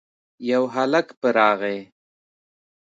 يو هلک په راغی.